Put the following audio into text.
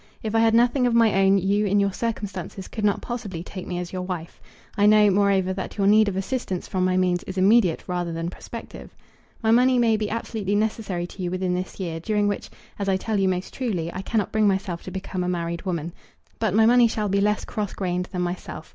If I had nothing of my own you, in your circumstances, could not possibly take me as your wife. I know, moreover, that your need of assistance from my means is immediate rather than prospective. My money may be absolutely necessary to you within this year, during which, as I tell you most truly, I cannot bring myself to become a married woman. But my money shall be less cross grained than myself.